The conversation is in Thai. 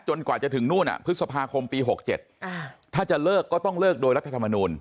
จนกว่าจะถึงนู่นอ่ะพฤษภาคมปีหกเจ็ดอ่าถ้าจะเลิกก็ต้องเลิกโดยรัฐธรรมนูล